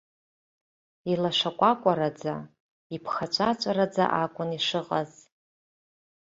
Илашакәакәараӡа, иԥхаҵәаҵәараӡа акәын ишыҟаз.